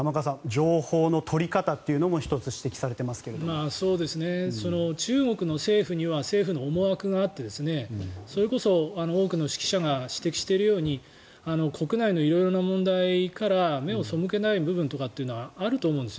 情報の取り方というのも中国の政府には政府の思惑があって、それこそ多くの識者が指摘しているように国内の色々な問題から目を背けない部分というのはあると思うんです。